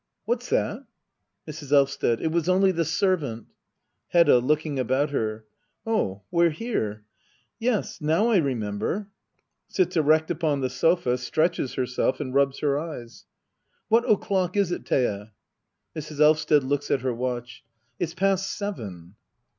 ] What's that ? Mrs. Elvsted. It was only the servant Hedda. [Looking about her,] Oh, we're here ! Yes, now I remember, [Sits erect upon the sofa^ stretches herself and rubs her eyes,] What o'clock is it, Thea? Mrs. Elvsted. [Looks at her watch,] It's past seven.